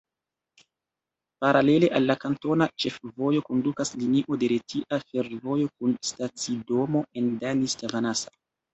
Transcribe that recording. Paralele al la kantona ĉefvojo kondukas linio de Retia Fervojo kun stacidomo en Danis-Tavanasa.